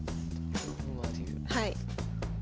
はい。